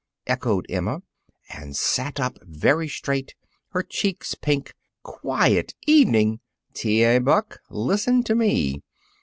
echoed Emma, and sat up very straight, her cheeks pink. "Quiet evening! T. A. Buck, listen to me.